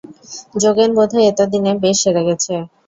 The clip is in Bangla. যোগেন বোধ হয় এতদিনে বেশ সেরে গেছে।